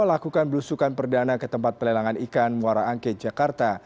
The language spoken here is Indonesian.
melakukan belusukan perdana ke tempat pelelangan ikan muara angke jakarta